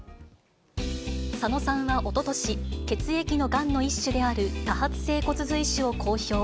佐野さんはおととし、血液のがんの一種である多発性骨髄腫を公表。